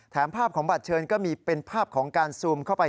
ภาพของบัตรเชิญก็มีเป็นภาพของการซูมเข้าไป